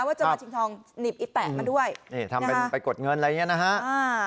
ว่าจะมาชิงทองหนีบอีแตะมาด้วยนี่ทำเป็นไปกดเงินอะไรอย่างเงี้นะฮะอ่า